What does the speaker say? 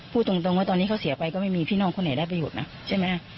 พูดตรงว่าตอนนี้เขาเสียไปก็ไม่มีพี่น้องคนไหนได้ประโยชน์นะใช่ไหม